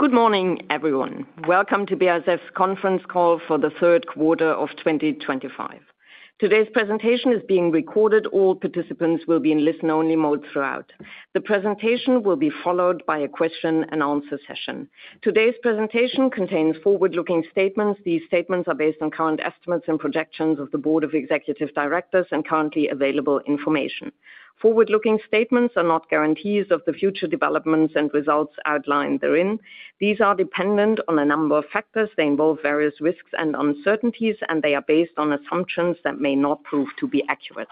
Good morning, everyone. Welcome to BASF's conference call for the third quarter of 2025. Today's presentation is being recorded. All participants will be in listen-only mode throughout. The presentation will be followed by a question and answer session. Today's presentation contains forward-looking statements. These statements are based on current estimates and projections of the Board of Executive Directors and currently available information. Forward-looking statements are not guarantees of the future developments and results outlined therein. These are dependent on a number of factors. They involve various risks and uncertainties, and they are based on assumptions that may not prove to be accurate.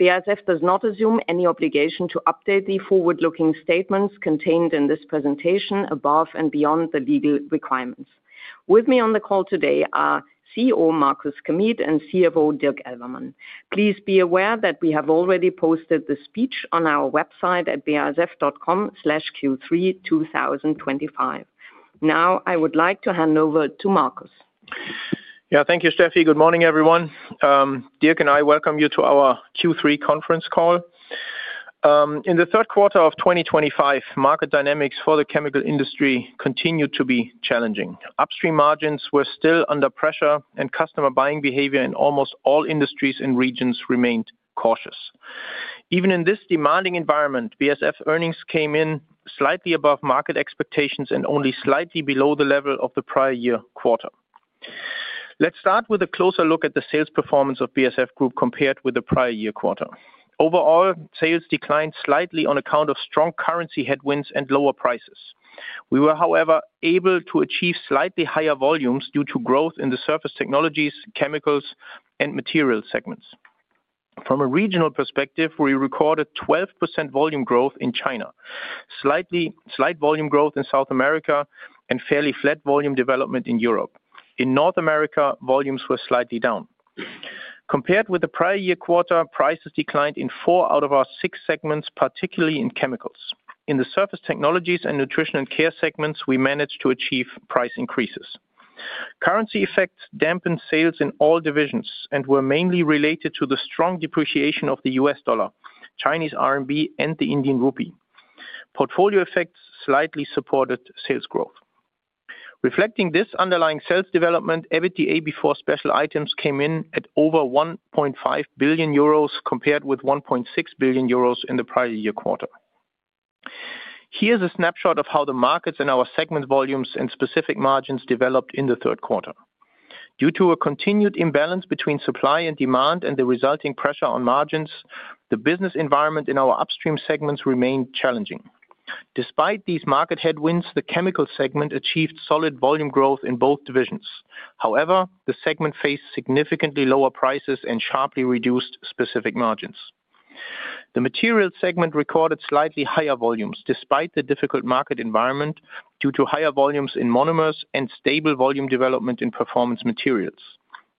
BASF does not assume any obligation to update the forward-looking statements contained in this presentation above and beyond the legal requirements. With me on the call today are CEO Markus Kamieth and CFO Dirk Elvermann. Please be aware that we have already posted the speech on our website at basf.com/Q32025. Now, I would like to hand over to Markus. Yeah, thank you, Steffi. Good morning, everyone. Dirk and I welcome you to our Q3 conference call. In the third quarter of 2025, market dynamics for the chemical industry continued to be challenging. Upstream margins were still under pressure, and customer buying behavior in almost all industries and regions remained cautious. Even in this demanding environment, BASF's earnings came in slightly above market expectations and only slightly below the level of the prior year quarter. Let's start with a closer look at the sales performance of BASF Group compared with the prior year quarter. Overall, sales declined slightly on account of strong currency headwinds and lower prices. We were, however, able to achieve slightly higher volumes due to growth in the surface technologies, chemicals, and materials segments. From a regional perspective, we recorded 12% volume growth in China, slight volume growth in South America, and fairly flat volume development in Europe. In North America, volumes were slightly down. Compared with the prior year quarter, prices declined in four out of our six segments, particularly in chemicals. In the surface technologies and nutrition and care segments, we managed to achieve price increases. Currency effects dampened sales in all divisions and were mainly related to the strong depreciation of the U.S. dollar, Chinese RMB, and the Indian rupee. Portfolio effects slightly supported sales growth. Reflecting this underlying sales development, EBITDA before special items came in at over 1.5 billion euros compared with 1.6 billion euros in the prior year quarter. Here's a snapshot of how the markets in our segment volumes and specific margins developed in the third quarter. Due to a continued imbalance between supply and demand and the resulting pressure on margins, the business environment in our upstream segments remained challenging. Despite these market headwinds, the chemical segment achieved solid volume growth in both divisions. However, the segment faced significantly lower prices and sharply reduced specific margins. The materials segment recorded slightly higher volumes despite the difficult market environment due to higher volumes in monomers and stable volume development in performance materials.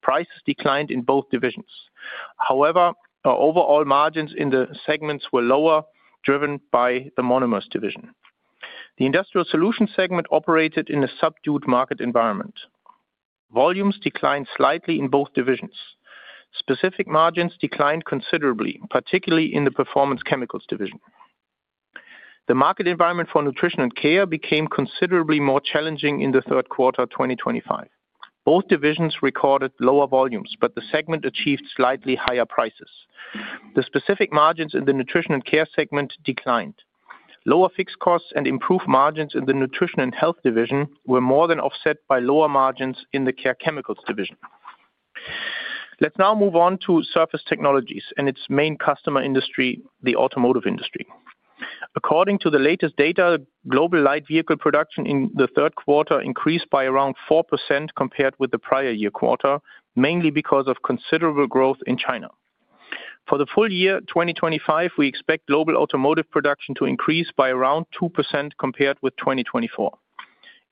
Prices declined in both divisions. However, our overall margins in the segments were lower, driven by the monomers division. The industrial solutions segment operated in a subdued market environment. Volumes declined slightly in both divisions. Specific margins declined considerably, particularly in the performance chemicals division. The market environment for nutrition and care became considerably more challenging in the third quarter of 2025. Both divisions recorded lower volumes, but the segment achieved slightly higher prices. The specific margins in the nutrition and care segment declined. Lower fixed costs and improved margins in the nutrition and health division were more than offset by lower margins in the care chemicals division. Let's now move on to surface technologies and its main customer industry, the automotive industry. According to the latest data, global light vehicle production in the third quarter increased by around 4% compared with the prior year quarter, mainly because of considerable growth in China. For the full year 2025, we expect global automotive production to increase by around 2% compared with 2024.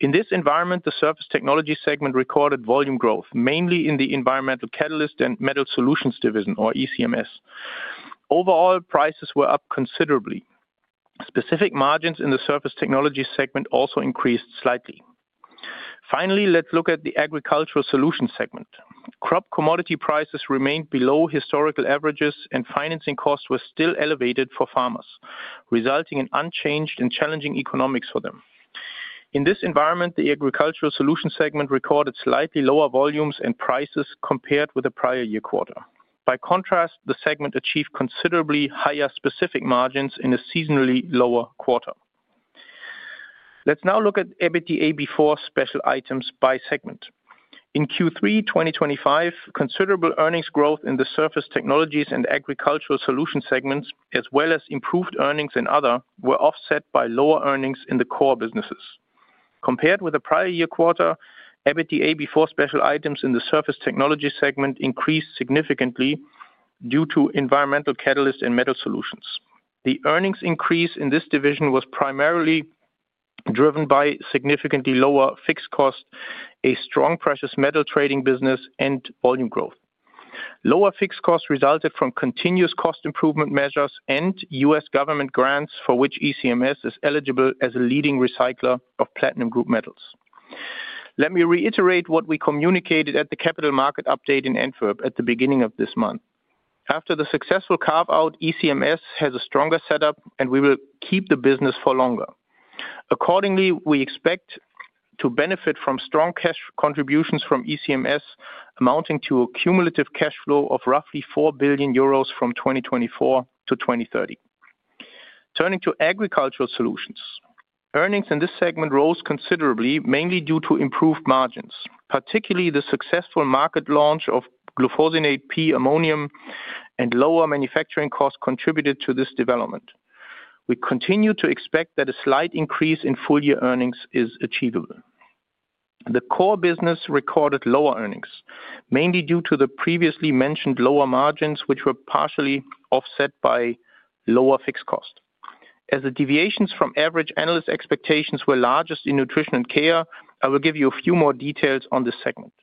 In this environment, the surface technology segment recorded volume growth, mainly in the Environmental Catalyst and Metal Solutions division, or ECMS. Overall, prices were up considerably. Specific margins in the surface technology segment also increased slightly. Finally, let's look at the agricultural solutions segment. Crop commodity prices remained below historical averages, and financing costs were still elevated for farmers, resulting in unchanged and challenging economics for them. In this environment, the agricultural solutions segment recorded slightly lower volumes and prices compared with the prior year quarter. By contrast, the segment achieved considerably higher specific margins in a seasonally lower quarter. Let's now look at EBITDA before special items by segment. In Q3 2025, considerable earnings growth in the surface technologies and agricultural solutions segments, as well as improved earnings in others, were offset by lower earnings in the core businesses. Compared with the prior year quarter, EBITDA before special items in the surface technology segment increased significantly due to Environmental Catalyst and Metal Solutions. The earnings increase in this division was primarily driven by significantly lower fixed costs, a strong precious metal trading business, and volume growth. Lower fixed costs resulted from continuous cost improvement measures and U.S. government grants for which ECMS is eligible as a leading recycler of Platinum Group Metals. Let me reiterate what we communicated at the capital market update in Antwerp at the beginning of this month. After the successful carve-out, ECMS has a stronger setup, and we will keep the business for longer. Accordingly, we expect to benefit from strong cash contributions from ECMS, amounting to a cumulative cash flow of approximately 4 billion euros from 2024 to 2030. Turning to agricultural solutions, earnings in this segment rose considerably, mainly due to improved margins. Particularly, the successful market launch of glufosinate-ammonium and lower manufacturing costs contributed to this development. We continue to expect that a slight increase in full-year earnings is achievable. The core business recorded lower earnings, mainly due to the previously mentioned lower margins, which were partially offset by lower fixed costs. As the deviations from average analyst expectations were largest in nutrition and care, I will give you a few more details on this segment.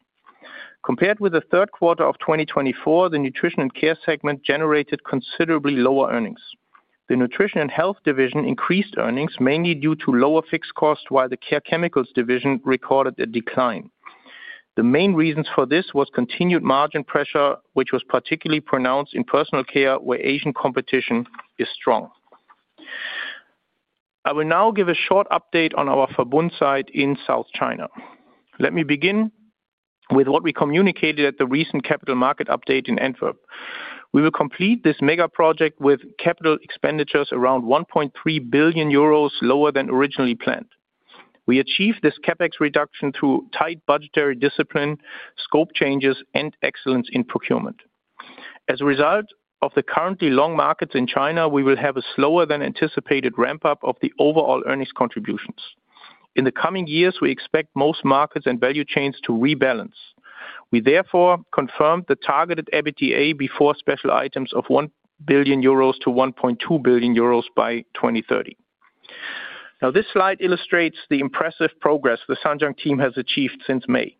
Compared with the third quarter of 2024, the nutrition and care segment generated considerably lower earnings. The nutrition and health division increased earnings, mainly due to lower fixed costs, while the care chemicals division recorded a decline. The main reasons for this were continued margin pressure, which was particularly pronounced in personal care, where Asian competition is strong. I will now give a short update on our Verbund site in South China. Let me begin with what we communicated at the recent capital market update in Antwerp. We will complete this mega project with capital expenditures around 1.3 billion euros lower than originally planned. We achieved this CapEx reduction through tight budgetary discipline, scope changes, and excellence in procurement. As a result of the currently long markets in China, we will have a slower than anticipated ramp-up of the overall earnings contributions. In the coming years, we expect most markets and value chains to rebalance. We therefore confirmed the targeted EBITDA before special items of 1 billion-1.2 billion euros by 2030. Now, this slide illustrates the impressive progress the Sunjunct team has achieved since May.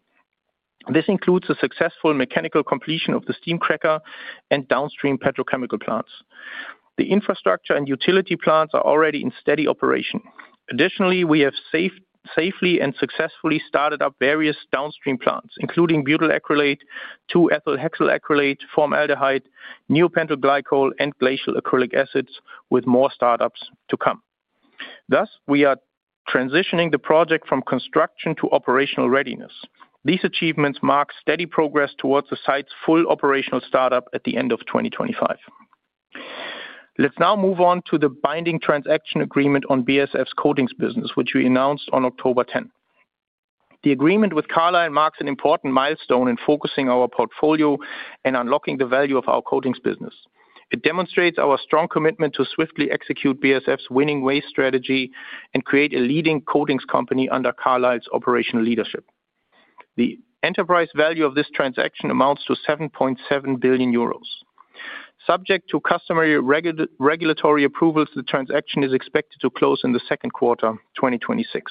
This includes the successful mechanical completion of the steam cracker and downstream petrochemical plants. The infrastructure and utility plants are already in steady operation. Additionally, we have safely and successfully started up various downstream plants, including butyl acrylate, 2-ethylhexyl acrylate, formaldehyde, neopentyl glycol, and glacial acrylic acids, with more startups to come. Thus, we are transitioning the project from construction to operational readiness. These achievements mark steady progress towards the site's full operational startup at the end of 2025. Let's now move on to the binding transaction agreement on BASF's coatings business, which we announced on October 10. The agreement with Carlyle and Mark is an important milestone in focusing our portfolio and unlocking the value of our coatings business. It demonstrates our strong commitment to swiftly execute BASF's winning waste strategy and create a leading coatings company under Carlyle's operational leadership. The enterprise value of this transaction amounts to 7.7 billion euros. Subject to customary regulatory approvals, the transaction is expected to close in the second quarter of 2026.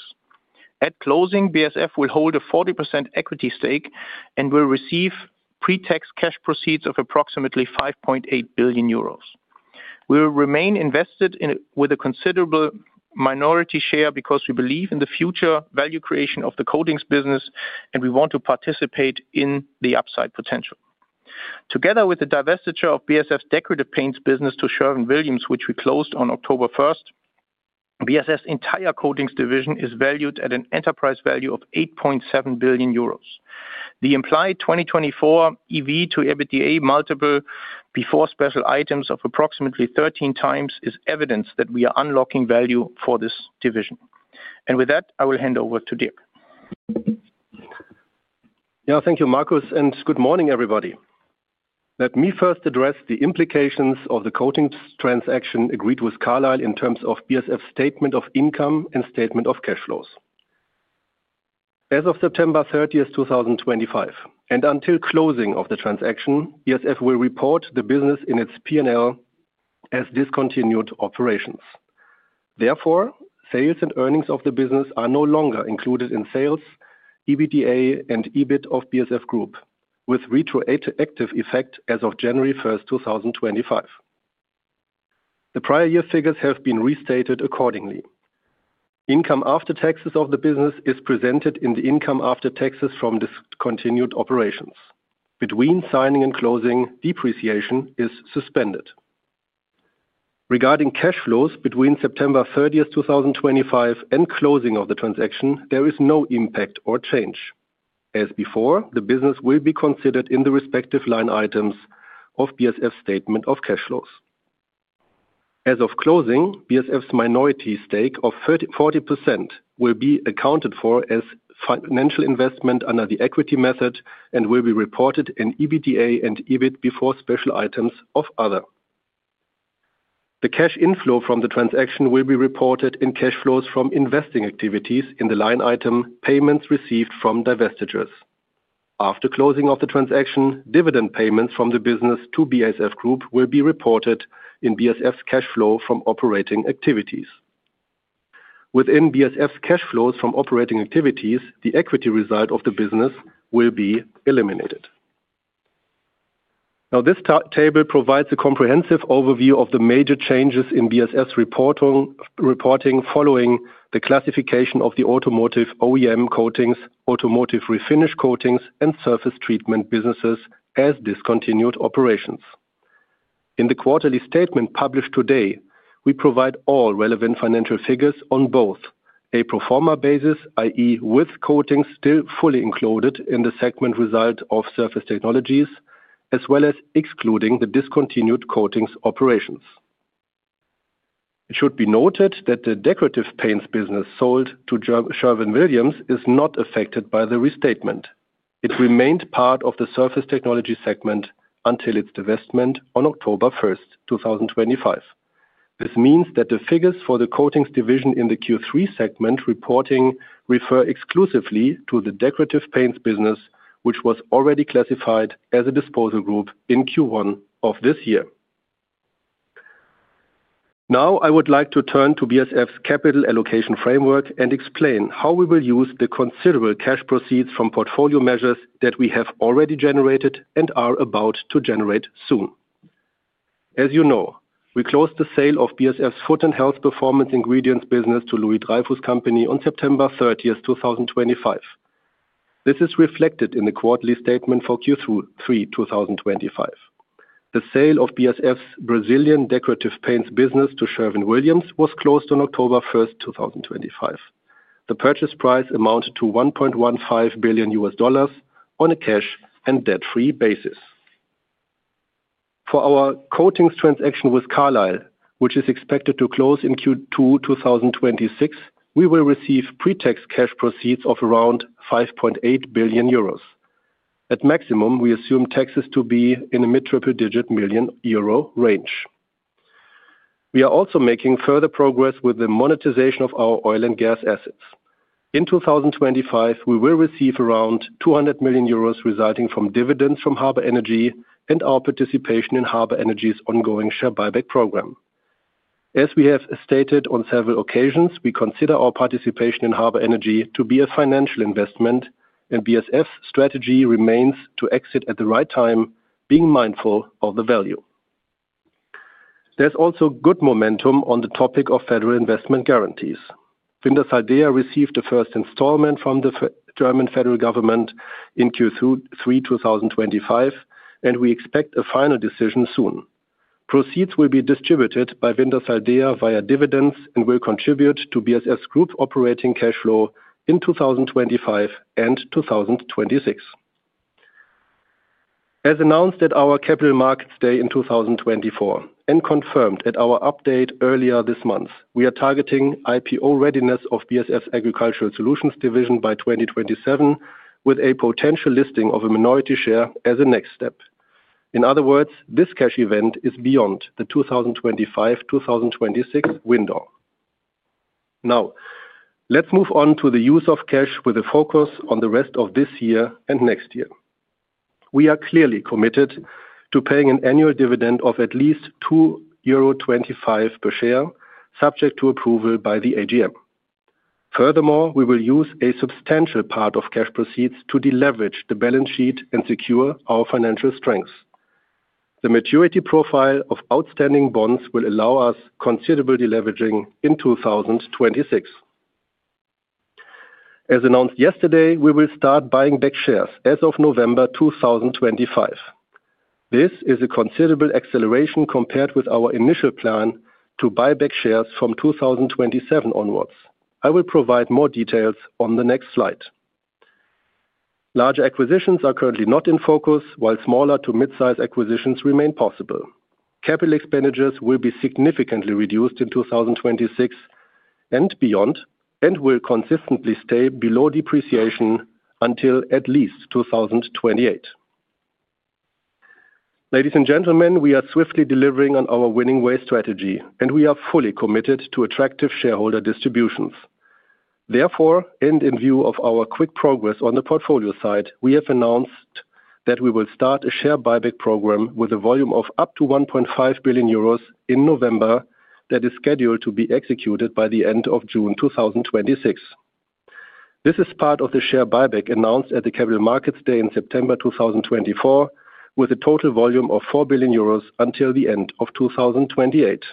At closing, BASF will hold a 40% equity stake and will receive pre-tax cash proceeds of approximately 5.8 billion euros. We will remain invested with a considerable minority share because we believe in the future value creation of the coatings business and we want to participate in the upside potential. Together with the divestiture of BASF's decorative paints business to Sherwin-Williams, which we closed on October 1, BASF's entire coatings division is valued at an enterprise value of 8.7 billion euros. The implied 2024 EV to EBITDA multiple before special items of approximately 13 times is evidence that we are unlocking value for this division. With that, I will hand over to Dirk. Thank you, Markus, and good morning, everybody. Let me first address the implications of the coatings transaction agreed with Carlyle in terms of BASF's statement of income and statement of cash flows. As of September 30, 2025, and until closing of the transaction, BASF will report the business in its P&L as discontinued operations. Therefore, sales and earnings of the business are no longer included in sales, EBITDA, and EBIT of BASF Group, with retroactive effect as of January 1, 2025. The prior year figures have been restated accordingly. Income after taxes of the business is presented in the income after taxes from discontinued operations. Between signing and closing, depreciation is suspended. Regarding cash flows between September 30, 2025, and closing of the transaction, there is no impact or change. As before, the business will be considered in the respective line items of BASF's statement of cash flows. As of closing, BASF's minority stake of 40% will be accounted for as financial investment under the equity method and will be reported in EBITDA and EBIT before special items of other. The cash inflow from the transaction will be reported in cash flows from investing activities in the line item payments received from divestitures. After closing of the transaction, dividend payments from the business to BASF Group will be reported in BASF's cash flow from operating activities. Within BASF's cash flows from operating activities, the equity result of the business will be eliminated. This table provides a comprehensive overview of the major changes in BASF's reporting following the classification of the automotive OEM coatings, automotive refinish coatings, and surface treatment businesses as discontinued operations. In the quarterly statement published today, we provide all relevant financial figures on both a pro forma basis, i.e., with coatings still fully included in the segment result of surface technologies, as well as excluding the discontinued coatings operations. It should be noted that the decorative paints business sold to Sherwin-Williams is not affected by the restatement. It remained part of the surface technology segment until its divestment on October 1, 2025. This means that the figures for the coatings division in the Q3 segment reporting refer exclusively to the decorative paints business, which was already classified as a disposal group in Q1 of this year. I would like to turn to BASF's capital allocation framework and explain how we will use the considerable cash proceeds from portfolio measures that we have already generated and are about to generate soon. As you know, we closed the sale of BASF's food and health performance ingredients business to Louis Dreyfus Company on September 30, 2025. This is reflected in the quarterly statement for Q3 2025. The sale of BASF's Brazilian decorative paints business to Sherwin-Williams was closed on October 1, 2025. The purchase price amounted to $1.15 billion on a cash and debt-free basis. For our coatings transaction with Carlyle, which is expected to close in Q2 2026, we will receive pre-tax cash proceeds of around 5.8 billion euros. At maximum, we assume taxes to be in a mid-triple-digit million euro range. We are also making further progress with the monetization of our oil and gas assets. In 2025, we will receive around 200 million euros resulting from dividends from Harbor Energy and our participation in Harbor Energy's ongoing share buyback program. As we have stated on several occasions, we consider our participation in Harbor Energy to be a financial investment, and BASF's strategy remains to exit at the right time, being mindful of the value. There is also good momentum on the topic of federal investment guarantees. Wintershall Dea received the first installment from the German federal government in Q3 2025, and we expect a final decision soon. Proceeds will be distributed by Wintershall Dea via dividends and will contribute to BASF's group operating cash flow in 2025 and 2026. As announced at our capital markets day in 2024 and confirmed at our update earlier this month, we are targeting IPO readiness of BASF's Agricultural Solutions division by 2027 with a potential listing of a minority share as a next step. In other words, this cash event is beyond the 2025-2026 window. Now, let's move on to the use of cash with a focus on the rest of this year and next year. We are clearly committed to paying an annual dividend of at least 2.25 euro per share, subject to approval by the AGM. Furthermore, we will use a substantial part of cash proceeds to deleverage the balance sheet and secure our financial strengths. The maturity profile of outstanding bonds will allow us considerable deleveraging in 2026. As announced yesterday, we will start buying back shares as of November 2025. This is a considerable acceleration compared with our initial plan to buy back shares from 2027 onwards. I will provide more details on the next slide. Larger acquisitions are currently not in focus, while smaller to mid-size acquisitions remain possible. Capital expenditures will be significantly reduced in 2026 and beyond, and will consistently stay below depreciation until at least 2028. Ladies and gentlemen, we are swiftly delivering on our winning waste strategy, and we are fully committed to attractive shareholder distributions. Therefore, and in view of our quick progress on the portfolio side, we have announced that we will start a share buyback program with a volume of up to 1.5 billion euros in November that is scheduled to be executed by the end of June 2026. This is part of the share buyback announced at the capital markets day in September 2024, with a total volume of 4 billion euros until the end of 2028.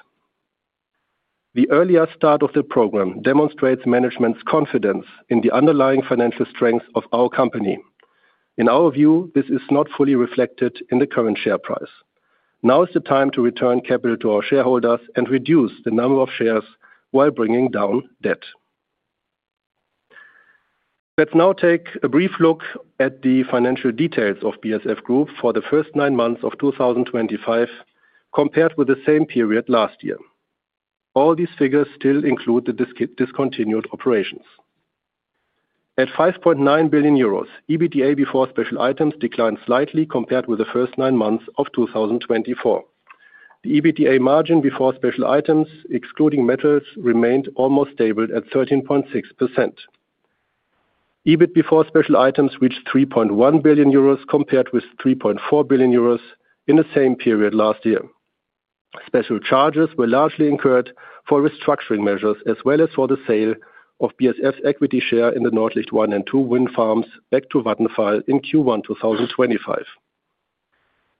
The earlier start of the program demonstrates management's confidence in the underlying financial strengths of our company. In our view, this is not fully reflected in the current share price. Now is the time to return capital to our shareholders and reduce the number of shares while bringing down debt. Let's now take a brief look at the financial details of BASF Group for the first nine months of 2025 compared with the same period last year. All these figures still include the discontinued operations. At 5.9 billion euros, EBITDA before special items declined slightly compared with the first nine months of 2024. The EBITDA margin before special items, excluding metals, remained almost stable at 13.6%. EBIT before special items reached 3.1 billion euros compared with 3.4 billion euros in the same period last year. Special charges were largely incurred for restructuring measures, as well as for the sale of BASF's equity share in the Nordlicht 1 and 2 wind farms back to Vattenfall in Q1 2025.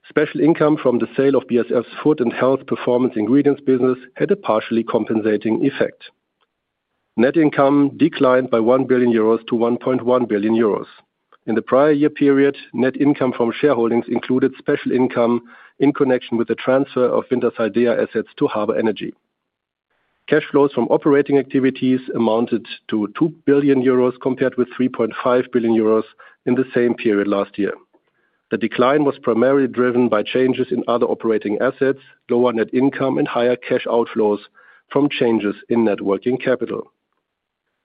Special income from the sale of BASF's food and health performance ingredients business had a partially compensating effect. Net income declined by 1 billion-1.1 billion euros. In the prior year period, net income from shareholdings included special income in connection with the transfer of Wintershall Dea assets to Harbor Energy. Cash flows from operating activities amounted to 2 billion euros compared with 3.5 billion euros in the same period last year. The decline was primarily driven by changes in other operating assets, lower net income, and higher cash outflows from changes in networking capital.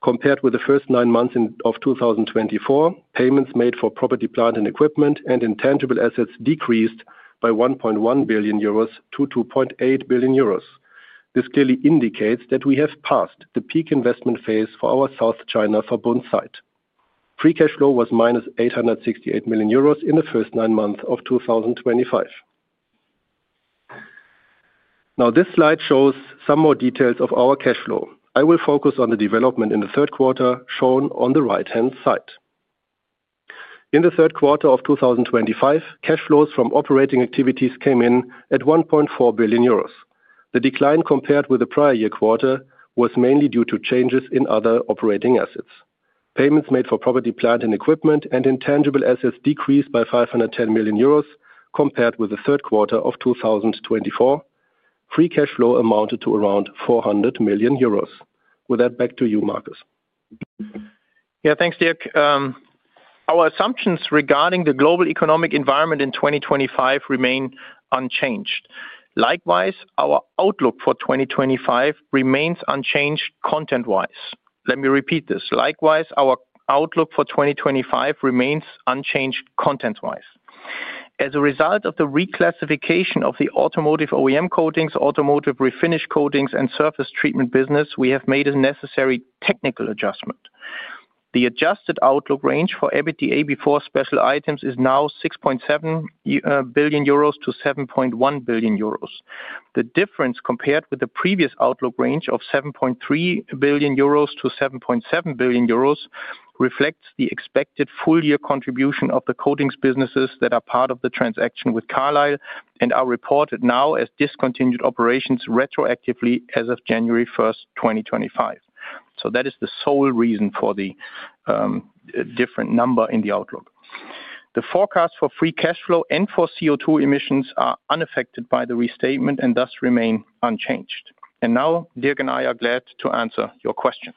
Compared with the first nine months of 2024, payments made for property, plant and equipment, and intangible assets decreased by 1.1 billion-2.8 billion euros. This clearly indicates that we have passed the peak investment phase for our South China Verbund site. Free cash flow was minus 868 million euros in the first nine months of 2025. Now, this slide shows some more details of our cash flow. I will focus on the development in the third quarter shown on the right-hand side. In the third quarter of 2025, cash flows from operating activities came in at 1.4 billion euros. The decline compared with the prior year quarter was mainly due to changes in other operating assets. Payments made for property, plant, and equipment and intangible assets decreased by 510 million euros compared with the third quarter of 2024. Free cash flow amounted to around 400 million euros. With that, back to you, Markus. Yeah, thanks, Dirk. Our assumptions regarding the global economic environment in 2025 remain unchanged. Likewise, our outlook for 2025 remains unchanged content-wise. Let me repeat this. Likewise, our outlook for 2025 remains unchanged content-wise. As a result of the reclassification of the automotive OEM coatings, automotive refinish coatings, and surface treatment business, we have made a necessary technical adjustment. The adjusted outlook range for EBITDA before special items is now 6.7 billion-7.1 billion euros. The difference compared with the previous outlook range of 7.3 billion-7.7 billion euros reflects the expected full-year contribution of the coatings businesses that are part of the transaction with Carlyle and are reported now as discontinued operations retroactively as of January 1, 2025. That is the sole reason for the different number in the outlook. The forecast for free cash flow and for CO2 emissions are unaffected by the restatement and thus remain unchanged. Dirk and I are glad to answer your questions.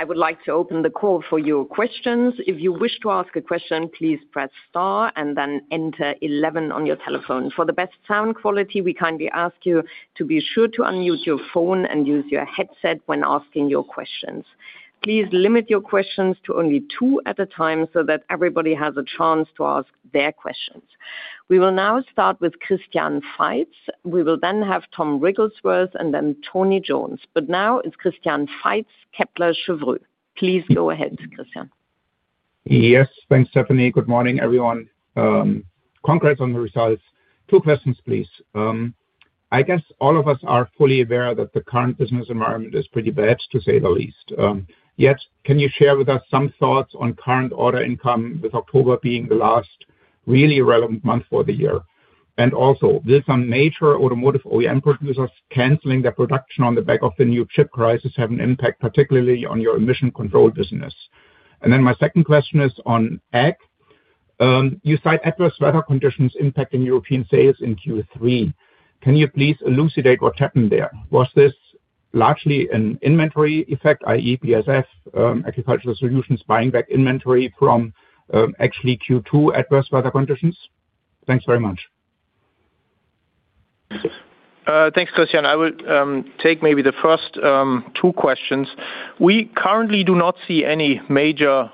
I would like to open the call for your questions. If you wish to ask a question, please press star and then enter 11 on your telephone. For the best sound quality, we kindly ask you to be sure to unmute your phone and use your headset when asking your questions. Please limit your questions to only two at a time so that everybody has a chance to ask their questions. We will now start with Christian Faitz. We will then have Tom Rigglesworth and then Tony Jones. Now, Christian Faitz, Kepler Cheuvreux. Please go ahead, Christian. Yes, thanks, Stefanie. Good morning, everyone. Congrats on the results. Two questions, please. I guess all of us are fully aware that the current business environment is pretty bad, to say the least. Yet, can you share with us some thoughts on current order income, with October being the last really relevant month for the year? Also, will some major automotive OEM producers canceling their production on the back of the new chip crisis have an impact, particularly on your emission control business? My second question is on ag. You cite adverse weather conditions impacting European sales in Q3. Can you please elucidate what happened there? Was this largely an inventory effect, i.e., BASF Agricultural Solutions buying back inventory from actually Q2 adverse weather conditions? Thanks very much. Thanks, Christian. I will take maybe the first two questions. We currently do not see any major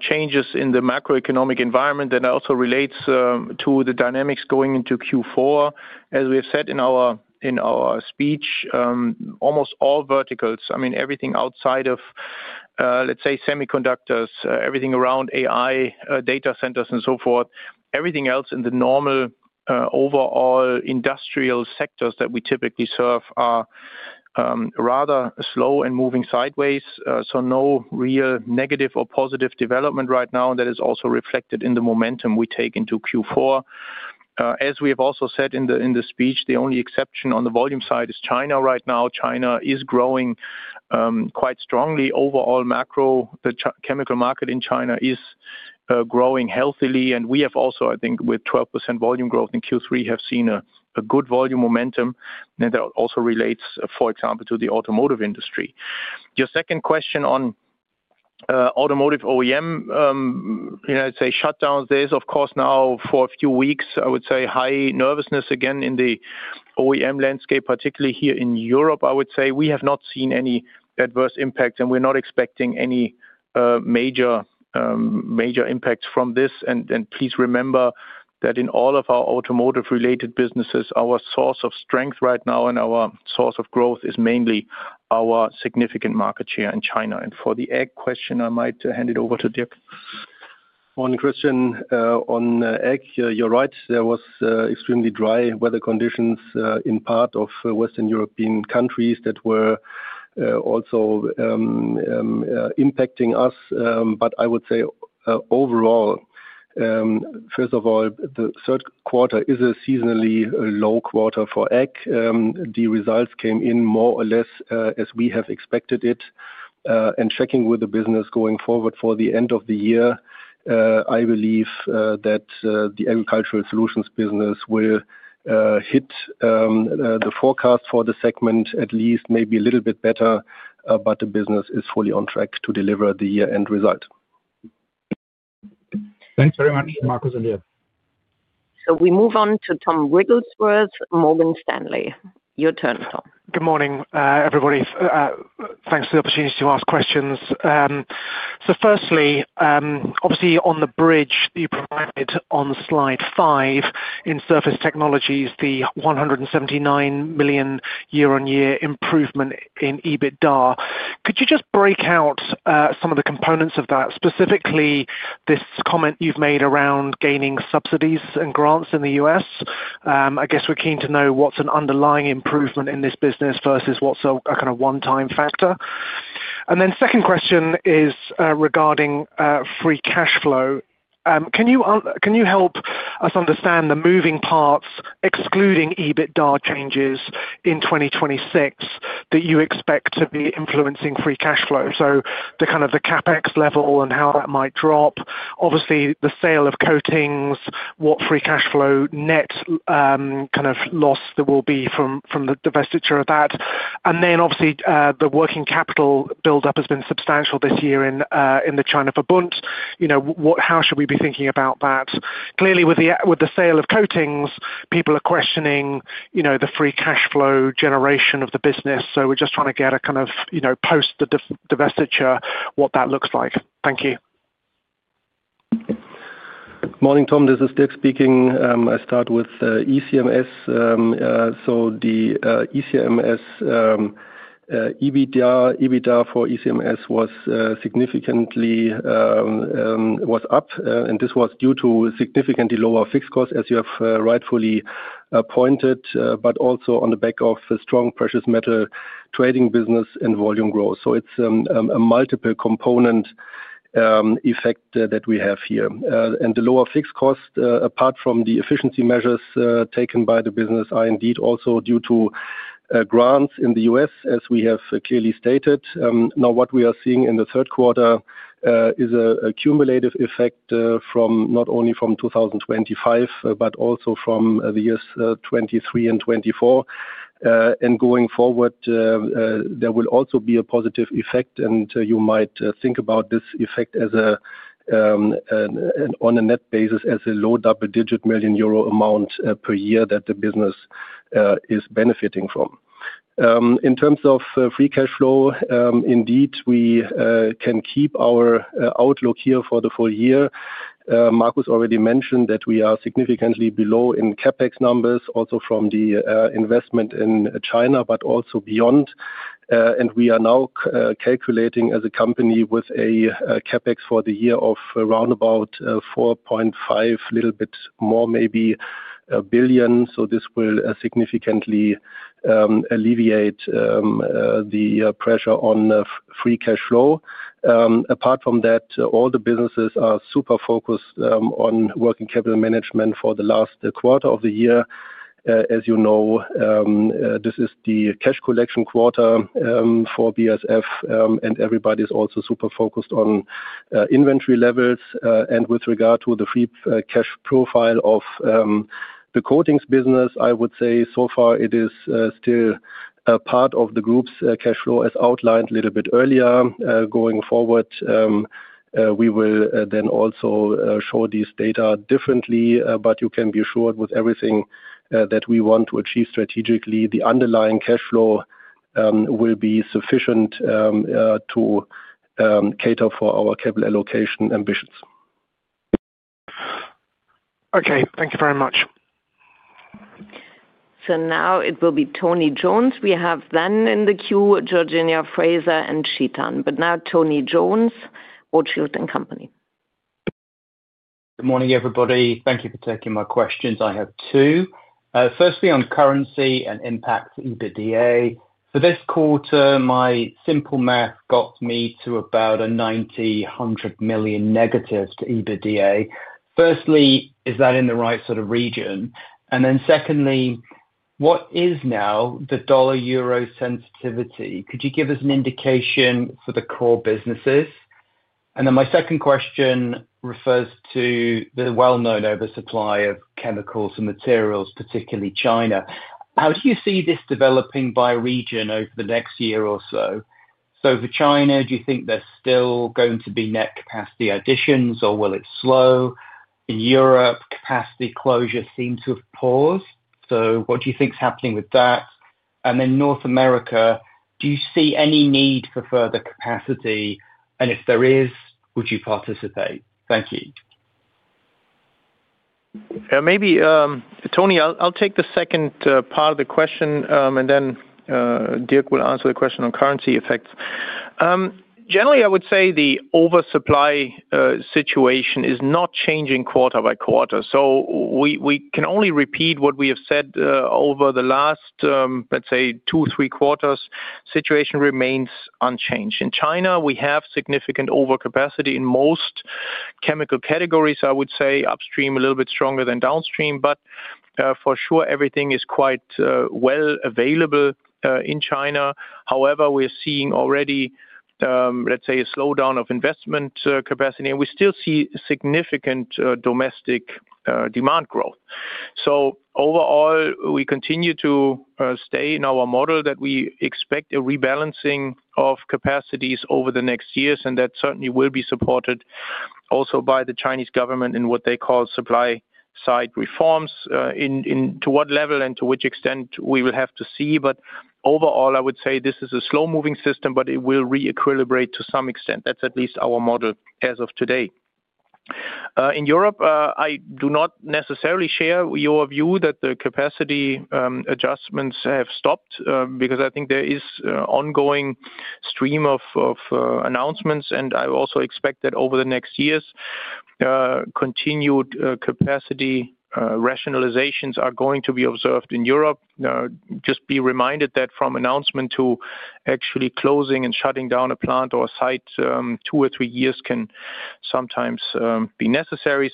changes in the macroeconomic environment that also relates to the dynamics going into Q4. As we have said in our speech, almost all verticals, I mean everything outside of, let's say, semiconductors, everything around AI, data centers, and so forth, everything else in the normal overall industrial sectors that we typically serve are rather slow and moving sideways. No real negative or positive development right now, and that is also reflected in the momentum we take into Q4. As we have also said in the speech, the only exception on the volume side is China right now. China is growing quite strongly. Overall, macro, the chemical market in China is growing healthily, and we have also, I think, with 12% volume growth in Q3, have seen a good volume momentum that also relates, for example, to the automotive industry. Your second question on automotive OEM, you know, it's a shutdown. There is, of course, now for a few weeks, I would say high nervousness again in the OEM landscape, particularly here in Europe. I would say we have not seen any adverse impacts, and we're not expecting any major impacts from this. Please remember that in all of our automotive-related businesses, our source of strength right now and our source of growth is mainly our significant market share in China. For the ag question, I might hand it over to Dirk. Morning, Christian. On ag, you're right. There were extremely dry weather conditions in part of Western European countries that were also impacting us. I would say overall, first of all, the third quarter is a seasonally low quarter for ag. The results came in more or less as we have expected it. Checking with the business going forward for the end of the year, I believe that the agricultural solutions business will hit the forecast for the segment at least maybe a little bit better, but the business is fully on track to deliver the year-end result. Thanks very much, Markus and Dirk. We move on to Tom Rigglesworth, Morgan Stanley. Your turn, Tom. Good morning, everybody. Thanks for the opportunity to ask questions. Firstly, obviously on the bridge that you provided on slide five in surface technologies, the 179 million year-on-year improvement in EBITDA, could you just break out some of the components of that, specifically this comment you've made around gaining subsidies and grants in the U.S.? I guess we're keen to know what's an underlying improvement in this business versus what's a kind of one-time factor. The second question is regarding free cash flow. Can you help us understand the moving parts, excluding EBITDA changes in 2026 that you expect to be influencing free cash flow? The CapEx level and how that might drop. Obviously, the sale of coatings, what free cash flow net kind of loss there will be from the divestiture of that. The working capital buildup has been substantial this year in the China Verbund. How should we be thinking about that? Clearly, with the sale of coatings, people are questioning the free cash flow generation of the business. We're just trying to get a kind of post the divestiture, what that looks like. Thank you. Morning, Tom. This is Dirk speaking. I start with ECMS. The EBITDA for ECMS was significantly up, and this was due to significantly lower fixed costs, as you have rightfully pointed, but also on the back of a strong precious metal trading business and volume growth. It is a multiple component effect that we have here. The lower fixed cost, apart from the efficiency measures taken by the business, are indeed also due to grants in the U.S., as we have clearly stated. What we are seeing in the third quarter is a cumulative effect from not only 2025, but also from the years 2023 and 2024. Going forward, there will also be a positive effect, and you might think about this effect on a net basis as a low double-digit million euro amount per year that the business is benefiting from. In terms of free cash flow, we can keep our outlook here for the full year. Markus already mentioned that we are significantly below in CapEx numbers, also from the investment in China, but also beyond. We are now calculating as a company with a CapEx for the year of around about 4.5 billion, a little bit more maybe. This will significantly alleviate the pressure on free cash flow. Apart from that, all the businesses are super focused on working capital management for the last quarter of the year. As you know, this is the cash collection quarter for BASF, and everybody's also super focused on inventory levels. With regard to the free cash profile of the coatings business, I would say so far it is still part of the group's cash flow, as outlined a little bit earlier. Going forward, we will then also show these data differently, but you can be assured with everything that we want to achieve strategically, the underlying cash flow will be sufficient to cater for our capital allocation ambitions. Okay, thank you very much. It will be Tony Jones. We have then in the queue Georgina Fraser and Chetan. Now Tony Jones, Rothschild and Company. Good morning, everybody. Thank you for taking my questions. I have two. Firstly, on currency and impact for EBITDA. For this quarter, my simple math got me to about 900- million to EBITDA. Is that in the right sort of region? What is now the dollar euro sensitivity? Could you give us an indication for the core businesses? My second question refers to the well-known oversupply of chemicals and materials, particularly China. How do you see this developing by region over the next year or so? For China, do you think there's still going to be net capacity additions, or will it slow? In Europe, capacity closure seems to have paused. What do you think is happening with that? In North America, do you see any need for further capacity? If there is, would you participate? Thank you. Maybe Tony, I'll take the second part of the question, and then Dirk will answer the question on currency effects. Generally, I would say the oversupply situation is not changing quarter by quarter. We can only repeat what we have said over the last, let's say, two, three quarters. The situation remains unchanged. In China, we have significant overcapacity in most chemical categories. I would say upstream a little bit stronger than downstream, but for sure, everything is quite well available in China. However, we're seeing already, let's say, a slowdown of investment capacity, and we still see significant domestic demand growth. Overall, we continue to stay in our model that we expect a rebalancing of capacities over the next years, and that certainly will be supported also by the Chinese government in what they call supply side reforms. To what level and to which extent, we will have to see. Overall, I would say this is a slow-moving system, but it will re-equilibrate to some extent. That's at least our model as of today. In Europe, I do not necessarily share your view that the capacity adjustments have stopped because I think there is an ongoing stream of announcements, and I also expect that over the next years, continued capacity rationalizations are going to be observed in Europe. Just be reminded that from announcement to actually closing and shutting down a plant or a site, two or three years can sometimes be necessary.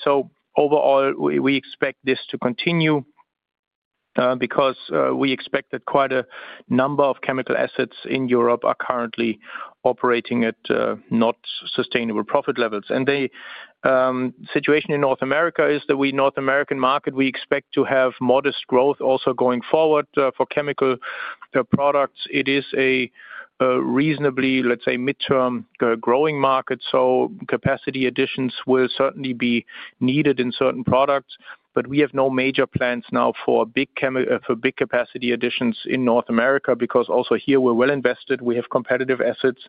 Overall, we expect this to continue because we expect that quite a number of chemical assets in Europe are currently operating at not sustainable profit levels. The situation in North America is that we, North American market, we expect to have modest growth also going forward for chemical products. It is a reasonably, let's say, mid-term growing market. Capacity additions will certainly be needed in certain products, but we have no major plans now for big capacity additions in North America because also here we're well invested. We have competitive assets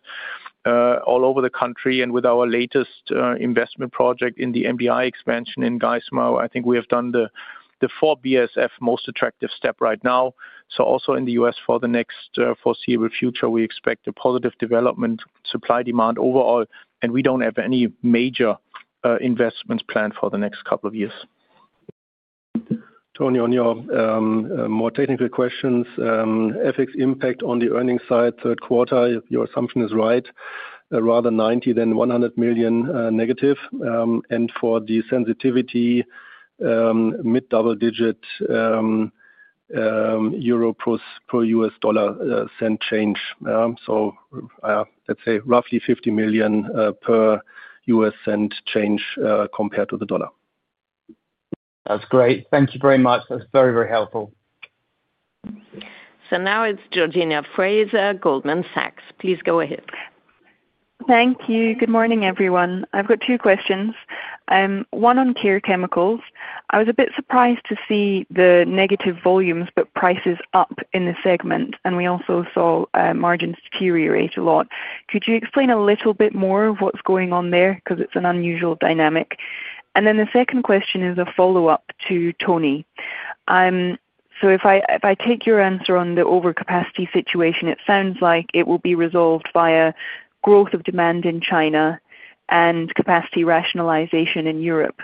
all over the country, and with our latest investment project in the MBI expansion in Geismar, I think we have done the four BASF most attractive step right now. Also in the U.S. for the next foreseeable future, we expect a positive development, supply demand overall, and we don't have any major investments planned for the next couple of years. Tony, on your more technical questions, FX impact on the earnings side third quarter, your assumption is right, rather 90 million than 100- million. For the sensitivity, mid-double-digit euro per U.S. dollar cent change. I'd say roughly 50 million per U.S. cent change compared to the dollar. That's great. Thank you very much. That's very, very helpful. Georgina Fraser, Goldman Sachs. Please go ahead. Thank you. Good morning, everyone. I've got two questions. One on care chemicals. I was a bit surprised to see the negative volumes, but prices up in the segment, and we also saw margins deteriorate a lot. Could you explain a little bit more of what's going on there because it's an unusual dynamic? The second question is a follow-up to Tony. If I take your answer on the overcapacity situation, it sounds like it will be resolved via growth of demand in China and capacity rationalization in Europe.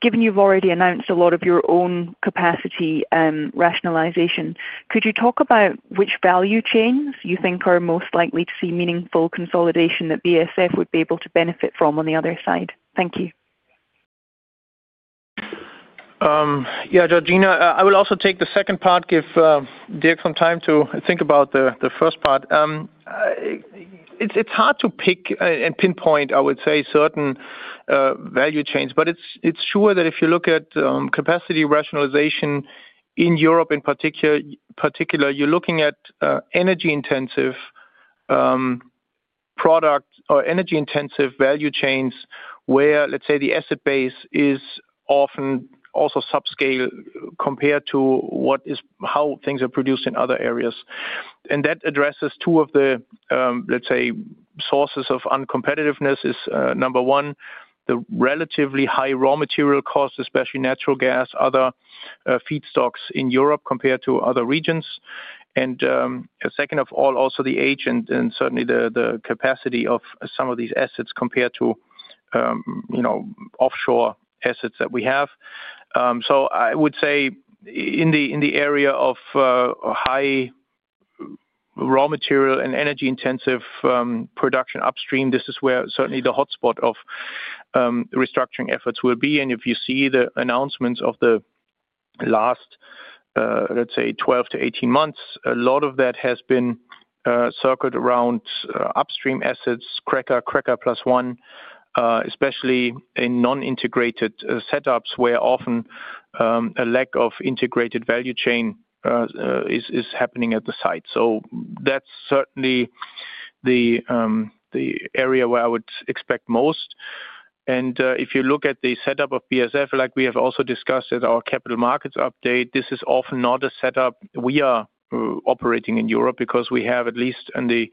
Given you've already announced a lot of your own capacity rationalization, could you talk about which value chains you think are most likely to see meaningful consolidation that BASF would be able to benefit from on the other side? Thank you. Yeah, Georgina, I will also take the second part, give Dirk some time to think about the first part. It's hard to pick and pinpoint, I would say, certain value chains, but it's sure that if you look at capacity rationalization in Europe in particular, you're looking at energy-intensive products or energy-intensive value chains where, let's say, the asset base is often also subscaled compared to how things are produced in other areas. That addresses two of the, let's say, sources of uncompetitiveness. Number one, the relatively high raw material costs, especially natural gas, other feedstocks in Europe compared to other regions. Second of all, also the age and certainly the capacity of some of these assets compared to offshore assets that we have. I would say in the area of high raw material and energy-intensive production upstream, this is where certainly the hotspot of restructuring efforts will be. If you see the announcements of the last, let's say, 12-18 months, a lot of that has been circled around upstream assets, cracker, cracker plus one, especially in non-integrated setups where often a lack of integrated value chain is happening at the site. That's certainly the area where I would expect most. If you look at the setup of BASF, like we have also discussed at our capital markets update, this is often not a setup we are operating in Europe because we have at least on the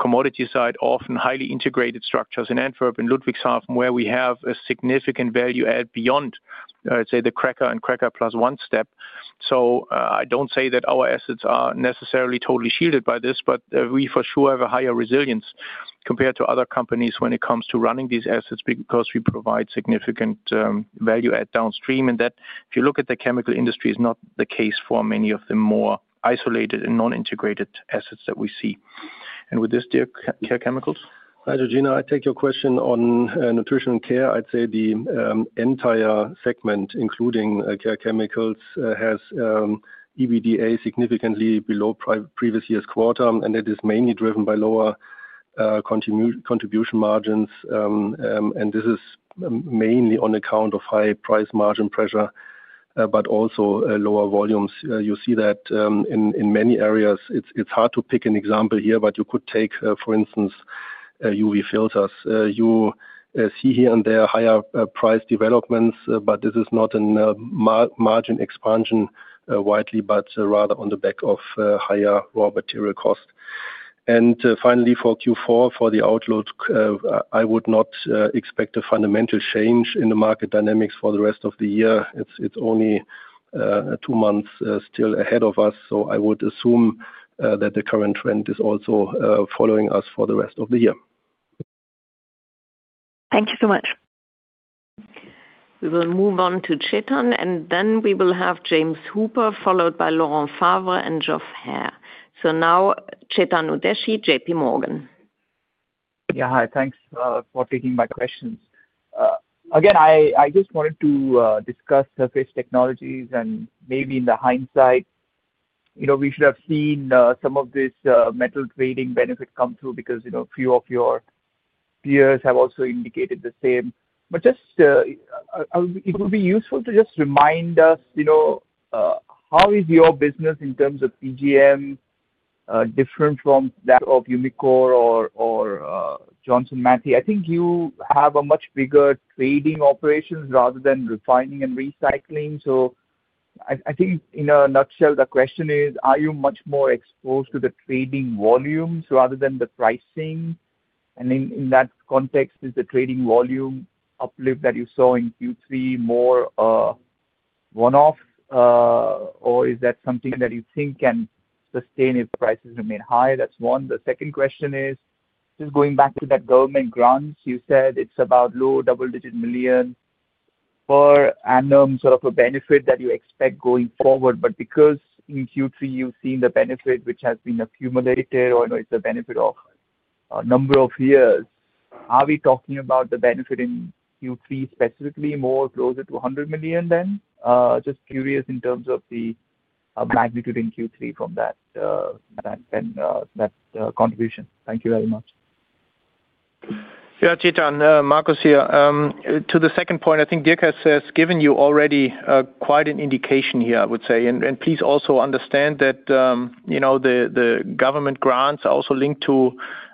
commodity side often highly integrated structures in Antwerp and Ludwigshafen, where we have a significant value add beyond, let's say, the cracker and cracker plus one step. I don't say that our assets are necessarily totally shielded by this, but we for sure have a higher resilience compared to other companies when it comes to running these assets because we provide significant value add downstream. If you look at the chemical industry, that is not the case for many of the more isolated and non-integrated assets that we see. With this, Dirk, care chemicals? Hi, Georgina. I take your question on nutrition and care. I'd say the entire segment, including care chemicals, has EBITDA significantly below previous year's quarter, and it is mainly driven by lower contribution margins. This is mainly on account of high price margin pressure, but also lower volumes. You see that in many areas. It's hard to pick an example here, but you could take, for instance, UV filters. You see here and there higher price developments, but this is not a margin expansion widely, but rather on the back of higher raw material cost. Finally, for Q4, for the outlook, I would not expect a fundamental change in the market dynamics for the rest of the year. It's only two months still ahead of us, so I would assume that the current trend is also following us for the rest of the year. Thank you so much. We will move on to Chetan, and then we will have James Hooper, followed by Laurent Favre and Geoff Haire. Now Chetan Udeshi, J.P. Morgan. Yeah, hi, thanks for taking my questions. I just wanted to discuss surface technologies and maybe in hindsight, we should have seen some of this metal trading benefit come through because a few of your peers have also indicated the same. It would be useful to just remind us, how is your business in terms of PGM different from that of Umicore or Johnson Matthey? I think you have a much bigger trading operation rather than refining and recycling. In a nutshell, the question is, are you much more exposed to the trading volumes rather than the pricing? In that context, is the trading volume uplift that you saw in Q3 more one-off, or is that something that you think can sustain if prices remain high? That's one. The second question is, going back to that government grants, you said it's about low double-digit million per annum sort of a benefit that you expect going forward. Because in Q3, you've seen the benefit, which has been accumulated, or it's a benefit of a number of years, are we talking about the benefit in Q3 specifically more closer to 100 million then? Just curious in terms of the magnitude in Q3 from that contribution. Thank you very much. Yeah, Chetan, Markus here. To the second point, I think Dirk has given you already quite an indication here, I would say. Please also understand that the government grants are also linked to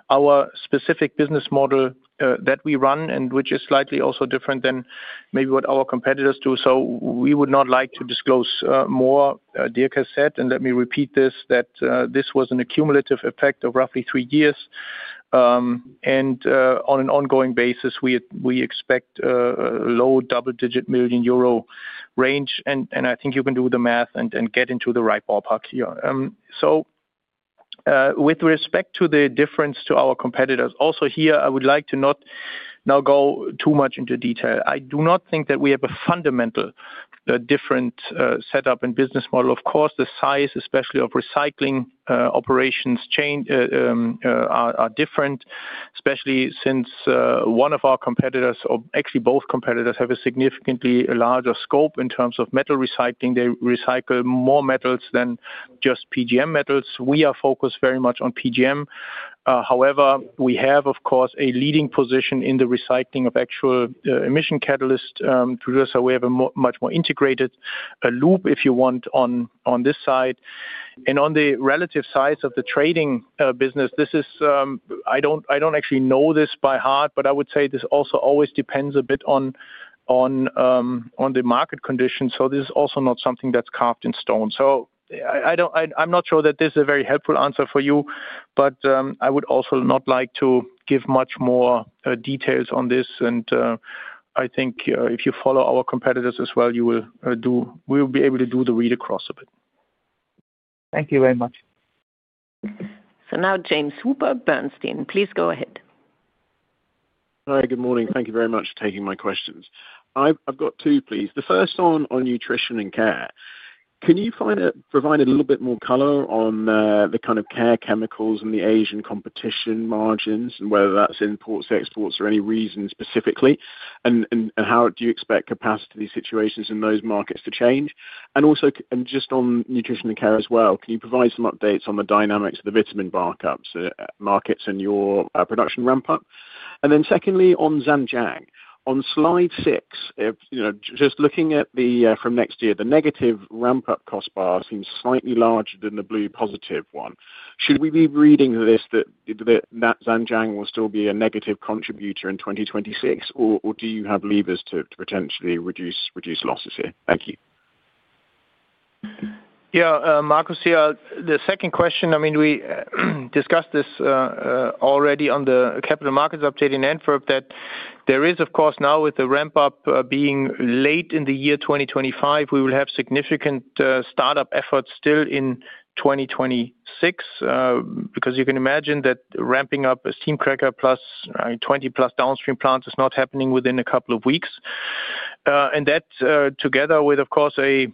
our specific business model that we run, which is slightly also different than maybe what our competitors do. We would not like to disclose more. Dirk has said, and let me repeat this, that this was an accumulative effect of roughly three years. On an ongoing basis, we expect a low double-digit million euro range. I think you can do the math and get into the right ballpark here. With respect to the difference to our competitors, I would like to not now go too much into detail. I do not think that we have a fundamentally different setup and business model. Of course, the size, especially of recycling operations, is different, especially since one of our competitors, or actually both competitors, have a significantly larger scope in terms of metal recycling. They recycle more metals than just PGM metals. We are focused very much on PGM. However, we have, of course, a leading position in the recycling of actual emission catalysts. We have a much more integrated loop, if you want, on this side. On the relative size of the trading business, I do not actually know this by heart, but I would say this also always depends a bit on the market conditions. This is also not something that's carved in stone. I am not sure that this is a very helpful answer for you, but I would also not like to give much more details on this. I think if you follow our competitors as well, you will be able to do the read across a bit. Thank you very much. James Hooper, Bernstein. Please go ahead. Hi, good morning. Thank you very much for taking my questions. I've got two, please. The first one on Nutrition and Care. Can you provide a little bit more color on the kind of care chemicals and the Asian competition margins and whether that's imports, exports, or any reason specifically? How do you expect capacity situations in those markets to change? Also, just on Nutrition and Care as well, can you provide some updates on the dynamics of the vitamin markets and your production ramp-up? Secondly, on Zhanjiang. On slide six, just looking at the, from next year, the negative ramp-up cost bar seems slightly larger than the blue positive one. Should we be reading this that Zhanjiang will still be a negative contributor in 2026, or do you have levers to potentially reduce losses here? Thank you. Yeah, Markus here. The second question, I mean, we discussed this already on the capital markets update in Antwerp that there is, of course, now with the ramp-up being late in the year 2025, we will have significant startup efforts still in 2026 because you can imagine that ramping up a steam cracker +20 plus downstream plants is not happening within a couple of weeks. That, together with, of course, a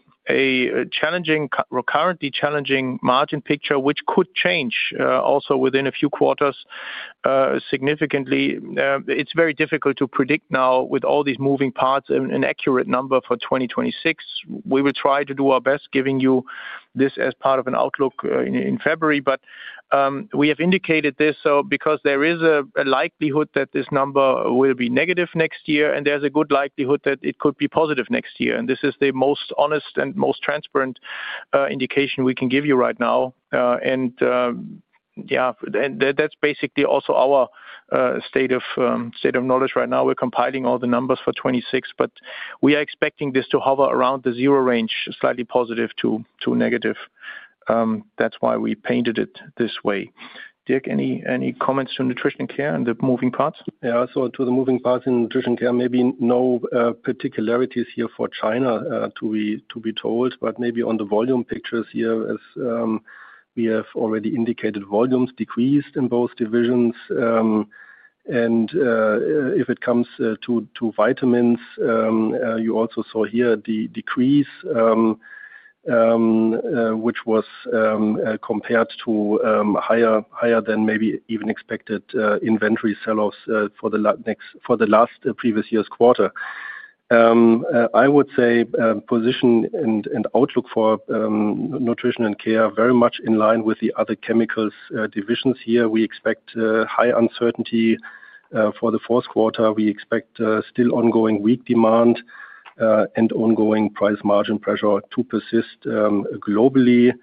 currently challenging margin picture, which could change also within a few quarters significantly, makes it very difficult to predict now with all these moving parts and an accurate number for 2026. We will try to do our best, giving you this as part of an outlook in February, but we have indicated this. There is a likelihood that this number will be negative next year, and there's a good likelihood that it could be positive next year. This is the most honest and most transparent indication we can give you right now. That's basically also our state of knowledge right now. We're compiling all the numbers for 2026, but we are expecting this to hover around the zero range, slightly positive to negative. That's why we painted it this way. Dirk, any comments to nutrition and care and the moving parts? Yeah, to the moving parts in Nutrition and Care, maybe no particularities here for China to be told, but maybe on the volume pictures here, as we have already indicated, volumes decreased in both divisions. If it comes to vitamins, you also saw the decrease, which was compared to higher than maybe even expected inventory sell-offs for the last previous year's quarter. I would say position and outlook for Nutrition and Care are very much in line with the other chemicals divisions here. We expect high uncertainty for the fourth quarter. We expect still ongoing weak demand and ongoing price margin pressure to persist globally.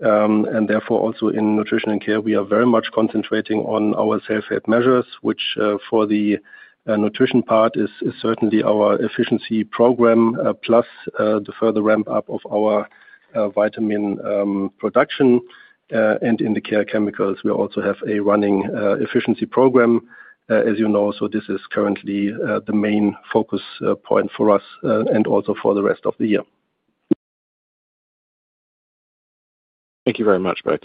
Therefore, also in Nutrition and Care, we are very much concentrating on our self-help measures, which for the nutrition part is certainly our efficiency program, plus the further ramp-up of our vitamin production. In the Care Chemicals, we also have a running efficiency program, as you know. This is currently the main focus point for us and also for the rest of the year. Thank you very much, both.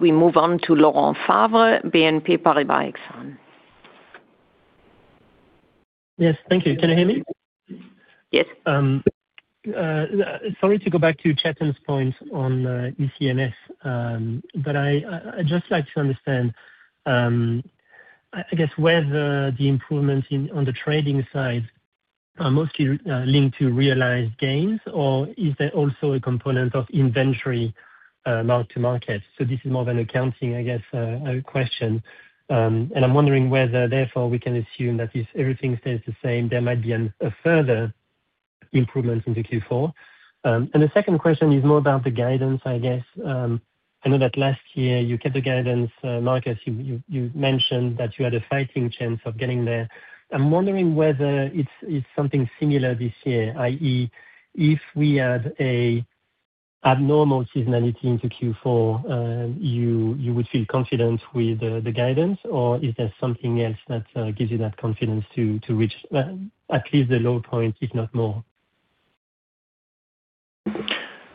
We move on to Laurent Favre, BNP Paribas Exane. Yes, thank you. Can you hear me? Yes. Sorry to go back to Chetan's point on ECMS, but I'd just like to understand, I guess, whether the improvements on the trading sides are mostly linked to realized gains, or is there also a component of inventory mark-to-market? This is more of an accounting question. I'm wondering whether, therefore, we can assume that if everything stays the same, there might be a further improvement into Q4. The second question is more about the guidance. I know that last year you kept the guidance, Markus, you mentioned that you had a fighting chance of getting there. I'm wondering whether it's something similar this year, i.e., if we had an abnormal seasonality into Q4, you would feel confident with the guidance, or is there something else that gives you that confidence to reach at least the low point, if not more?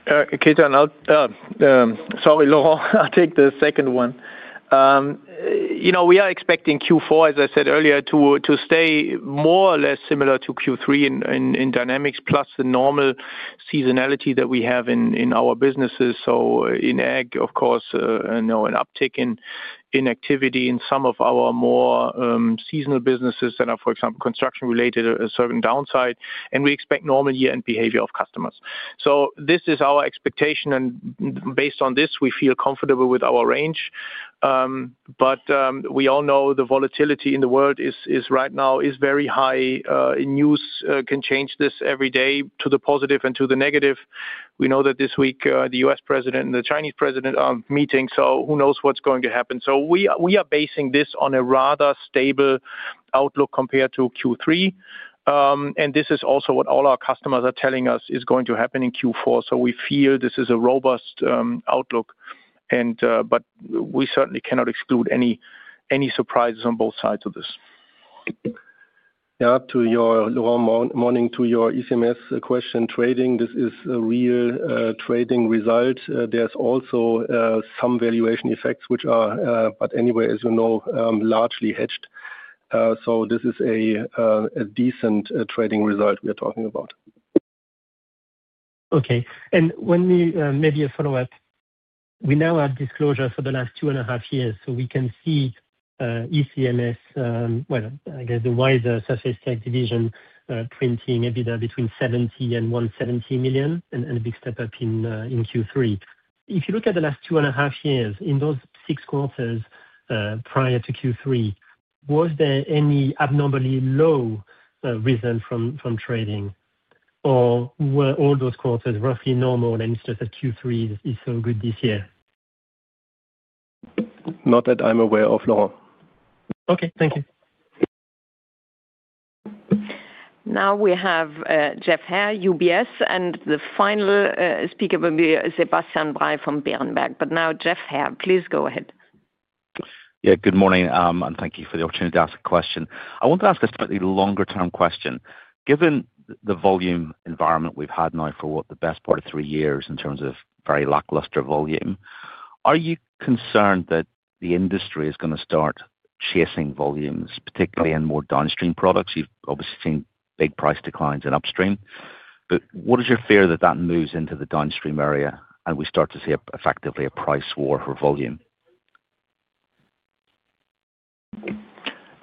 Sorry, Laurent. I'll take the second one. We are expecting Q4, as I said earlier, to stay more or less similar to Q3 in dynamics, plus the normal seasonality that we have in our businesses. In ag, of course, an uptick in activity in some of our more seasonal businesses that are, for example, construction-related, a certain downside. We expect normal year-end behavior of customers. This is our expectation, and based on this, we feel comfortable with our range. We all know the volatility in the world right now is very high. News can change this every day to the positive and to the negative. We know that this week the U.S. president and the Chinese president are meeting, so who knows what's going to happen? We are basing this on a rather stable outlook compared to Q3. This is also what all our customers are telling us is going to happen in Q4. We feel this is a robust outlook, but we certainly cannot exclude any surprises on both sides of this. Yeah, to your ECMS question, trading, this is a real trading result. There's also some valuation effects, which are, as you know, largely hedged. This is a decent trading result we are talking about. Okay. Maybe a follow-up. We now have disclosure for the last two and a half years, so we can see ECMS, I guess the wider surface tech division, printing EBITDA between 70 million and 170 million and a big step up in Q3. If you look at the last two and a half years, in those six quarters prior to Q3, was there any abnormally low result from trading, or were all those quarters roughly normal and it's just that Q3 is so good this year? Not that I'm aware of, Laurent. Okay, thank you. Now we have Geoff Haire, UBS, and the final speaker will be Sebastian Bray from Berenberg. Geoff Haire, please go ahead. Yeah, good morning, and thank you for the opportunity to ask a question. I want to ask a slightly longer-term question. Given the volume environment we've had now for what the best part of three years in terms of very lackluster volume, are you concerned that the industry is going to start chasing volumes, particularly in more downstream products? You've obviously seen big price declines in upstream. What is your fear that that moves into the downstream area and we start to see effectively a price war for volume?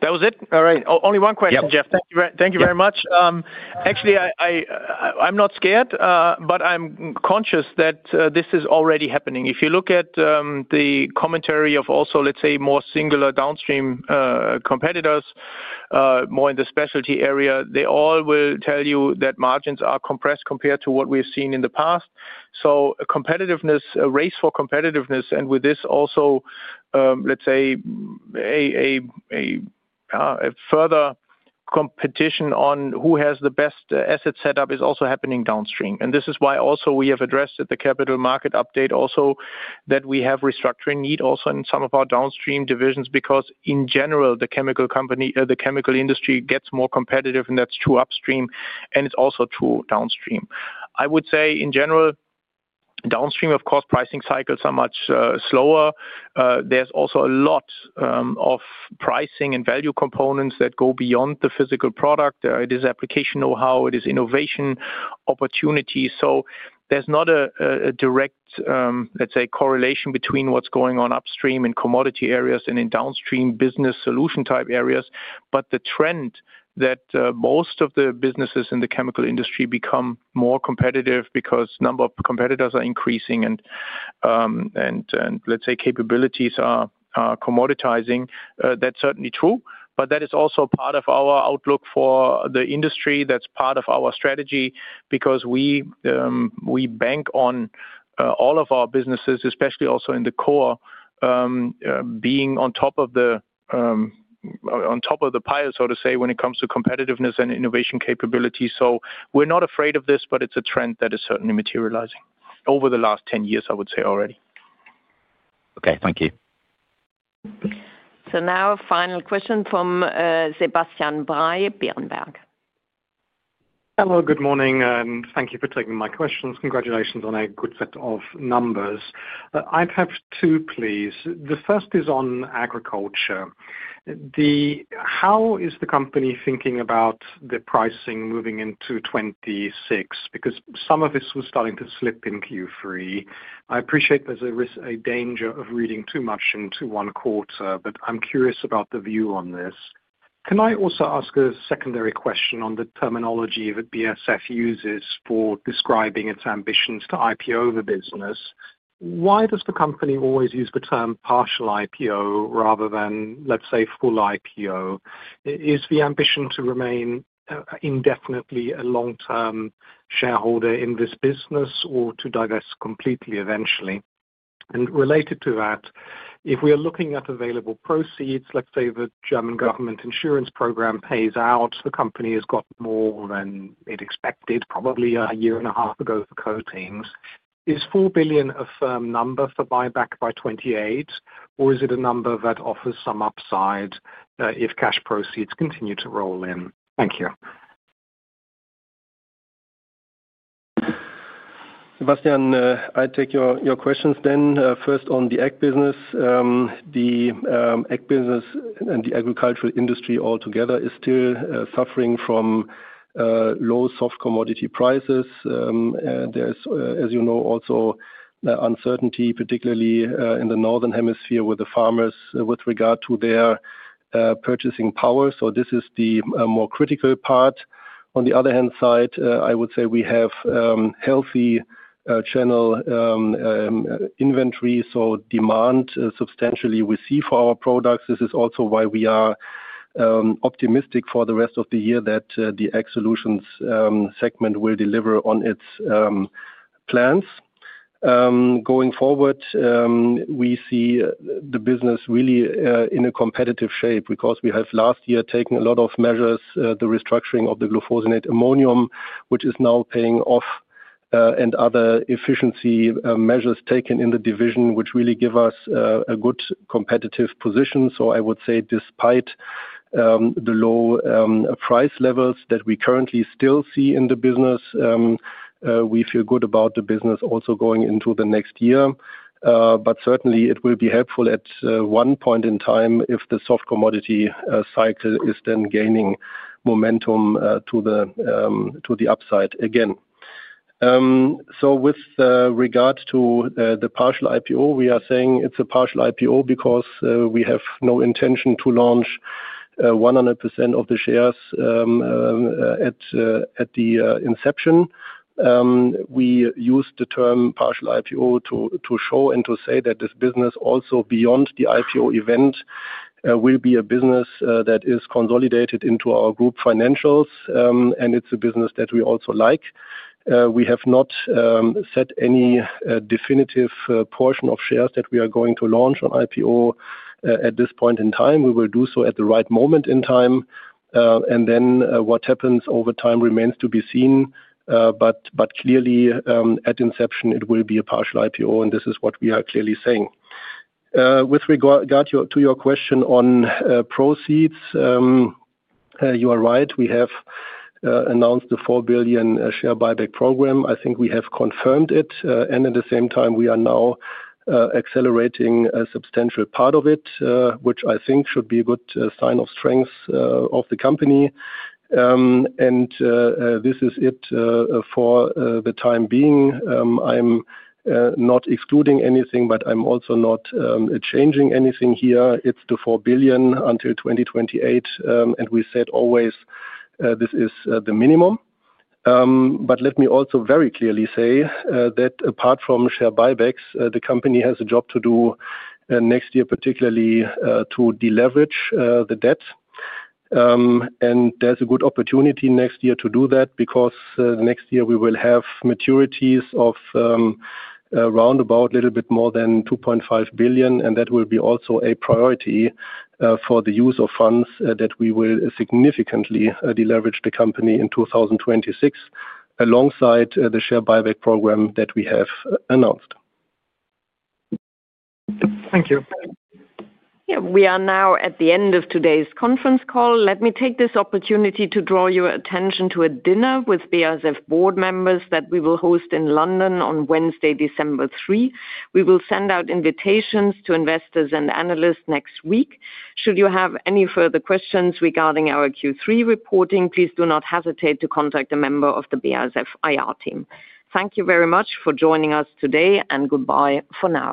That was it. All right. Only one question, Geoff. Thank you very much. Actually, I'm not scared, but I'm conscious that this is already happening. If you look at the commentary of also, let's say, more singular downstream competitors, more in the specialty area, they all will tell you that margins are compressed compared to what we've seen in the past. Competitiveness, a race for competitiveness, and with this also, let's say, a further competition on who has the best asset setup is also happening downstream. This is why also we have addressed at the capital market update that we have restructuring need also in some of our downstream divisions because in general, the chemical company, the chemical industry gets more competitive, and that's true upstream, and it's also true downstream. I would say in general, downstream, of course, pricing cycles are much slower. There's also a lot of pricing and value components that go beyond the physical product. It is application know-how. It is innovation opportunities. There's not a direct, let's say, correlation between what's going on upstream in commodity areas and in downstream business solution type areas. The trend that most of the businesses in the chemical industry become more competitive because the number of competitors are increasing and, let's say, capabilities are commoditizing, that's certainly true. That is also part of our outlook for the industry. That's part of our strategy because we bank on all of our businesses, especially also in the core, being on top of the pile so to say when it comes to competitiveness and innovation capabilities. We're not afraid of this, but it's a trend that is certainly materializing over the last 10 years, I would say already. Okay, thank you. Now a final question from Sebastian Bray, Berenberg. Hello, good morning, and thank you for taking my questions. Congratulations on a good set of numbers. I'd have two, please. The first is on agriculture. How is the company thinking about the pricing moving into 2026? Because some of this was starting to slip in Q3. I appreciate there's a risk, a danger of reading too much into one quarter, but I'm curious about the view on this. Can I also ask a secondary question on the terminology that BASF uses for describing its ambitions to IPO the business? Why does the company always use the term partial IPO rather than, let's say, full IPO? Is the ambition to remain indefinitely a long-term shareholder in this business or to divest completely eventually? Related to that, if we are looking at available proceeds, let's say the German government insurance program pays out, the company has got more than it expected, probably a year and a half ago for coatings. Is 4 billion a firm number for buyback by 2028, or is it a number that offers some upside if cash proceeds continue to roll in? Thank you. Sebastian, I take your questions then. First, on the ag business, the ag business and the agricultural industry altogether is still suffering from low soft commodity prices. There is, as you know, also uncertainty, particularly in the northern hemisphere with the farmers with regard to their purchasing power. This is the more critical part. On the other hand, I would say we have healthy channel inventory, so demand substantially we see for our products. This is also why we are optimistic for the rest of the year that the ag solutions segment will deliver on its plans. Going forward, we see the business really in a competitive shape because we have last year taken a lot of measures, the restructuring of the glufosinate-ammonium, which is now paying off, and other efficiency measures taken in the division, which really give us a good competitive position. I would say despite the low price levels that we currently still see in the business, we feel good about the business also going into the next year. Certainly, it will be helpful at one point in time if the soft commodity cycle is then gaining momentum to the upside again. With regard to the partial IPO, we are saying it's a partial IPO because we have no intention to launch 100% of the shares at the inception. We use the term partial IPO to show and to say that this business also beyond the IPO event will be a business that is consolidated into our group financials, and it's a business that we also like. We have not set any definitive portion of shares that we are going to launch on IPO at this point in time. We will do so at the right moment in time. What happens over time remains to be seen. Clearly, at inception, it will be a partial IPO, and this is what we are clearly saying. With regard to your question on proceeds, you are right. We have announced the 4 billion share buyback program. I think we have confirmed it. At the same time, we are now accelerating a substantial part of it, which I think should be a good sign of strength of the company. This is it for the time being. I'm not excluding anything, but I'm also not changing anything here. It's the 4 billion until 2028. We said always this is the minimum. Let me also very clearly say that apart from share buybacks, the company has a job to do next year, particularly to deleverage the debt. There is a good opportunity next year to do that because next year we will have maturities of around a little bit more than 2.5 billion. That will be also a priority for the use of funds that we will significantly deleverage the company in 2026 alongside the share buyback program that we have announced. Thank you. We are now at the end of today's conference call. Let me take this opportunity to draw your attention to a dinner with BASF board members that we will host in London on Wednesday, December 3. We will send out invitations to investors and analysts next week. Should you have any further questions regarding our Q3 reporting, please do not hesitate to contact a member of the BASF IR team. Thank you very much for joining us today, and goodbye for now.